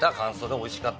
おいしかった？